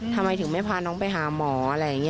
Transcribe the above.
ทำไมถึงไม่พาน้องไปหาหมออะไรอย่างนี้